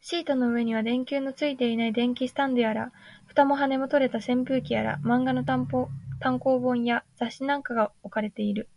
シートの上には、電球のついていない電気スタンドやら、蓋も羽も取れた扇風機やら、漫画の単行本や雑誌なんかが置かれている